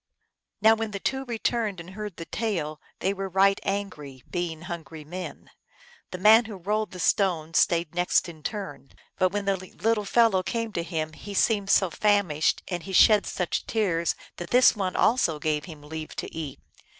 Now when the two returned and heard the tale they were right angry, being hungry men. The man who rolled the stone stayed next in turn, but when the 314 THE ALGONQUIN LEGENDS. little fellow came to him he seemed so famished and he shed such tears that this one also gave him leave to eat.